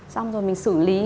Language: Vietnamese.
xong rồi mình xử lý